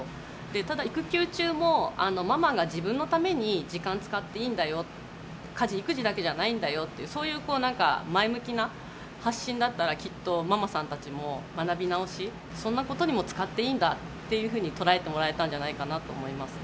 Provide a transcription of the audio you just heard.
ただ、育休中もママが自分のために時間使っていいんだよ、家事育児だけじゃないんだよっていう、そういう前向きな発信だったら、きっとママさんたちも学び直し、そんなことにも使っていいんだっていうふうに捉えてもらえたんじゃないかなと思いますね。